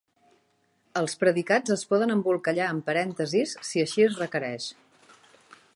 Els predicats es poden embolcallar amb parèntesis si així es requereix.